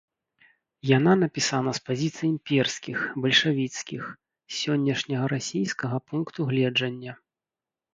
Яна напісана з пазіцый імперскіх, бальшавіцкіх, з сённяшняга расійскага пункту гледжання.